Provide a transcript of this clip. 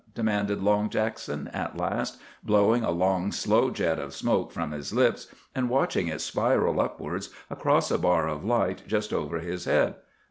demanded Long Jackson at last, blowing a long, slow jet of smoke from his lips, and watching it spiral upwards across a bar of light just over his head.